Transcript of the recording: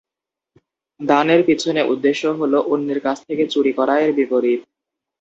দানের পিছনে উদ্দেশ্য হল "অন্যের কাছ থেকে চুরি করা" এর বিপরীত।